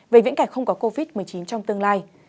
về viễn cảnh không có covid một mươi chín trong tương lai